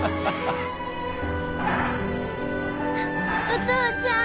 お父ちゃん。